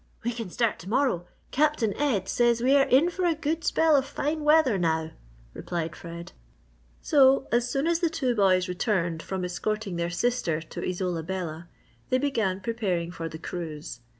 "We can start to morrow; Captain Ed says we are in for a good spell of fine weather now," replied Fred. So as soon as the two boys returned from escorting their sister to Isola Bella, they began preparing for the cruise.